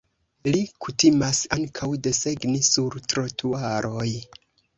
Li kutimas ankaŭ desegni sur trotuaroj.